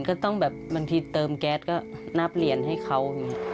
ก็ต้องแบบบางทีเติมแก๊สก็นับเหรียญให้เขา